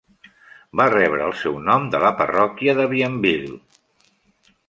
Va rebre el seu nom de la parròquia de Bienville.